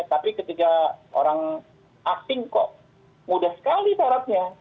tapi ketika orang asing kok mudah sekali syaratnya